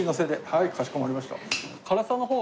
はいかしこまりました。